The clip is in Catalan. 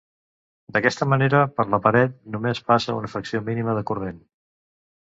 D'aquesta manera per l'aparell només passa una fracció mínima de corrent.